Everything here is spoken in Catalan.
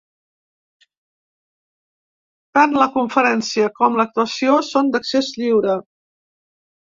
Tant la conferència com l’actuació són d’accés lliure.